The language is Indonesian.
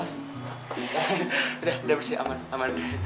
udah udah bersih aman